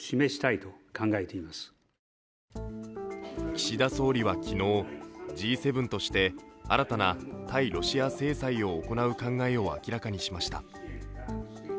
岸田総理は昨日、Ｇ７として新たな対ロシア制裁を行う考えを明らかにしました。